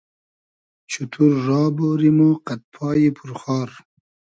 چوتور را بۉری مۉ قئد پایی پور خار